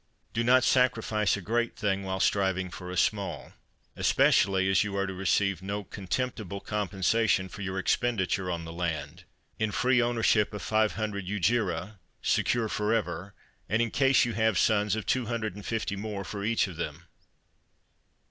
Do not sacrifice a great thing while striving for a small, especially as you are to re ceive no contemptible compensation for your ex penditure on the land, in free ownership of five hundred jugera secure forever, and in case you have sons, of two hundred and fifty more for each of them.